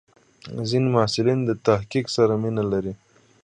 ځینې محصلین له تحقیق سره مینه لري.